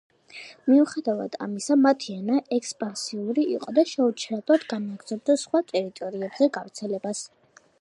მიუხედავად ამისა მათი ენა ექსპანსიური იყო და შეუჩერებლად განაგრძობდა სხვა ტერიტორიებზე გავრცელებას.